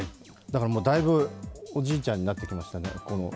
だいぶおじいちゃんになってきましたね。